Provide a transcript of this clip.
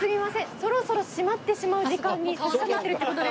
そろそろ閉まってしまう時間に差し迫ってるって事で。